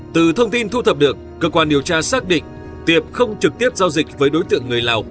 từ thông tin thu thập được cơ quan điều tra xác định tiệp không trực tiếp giao dịch với đối tượng người lào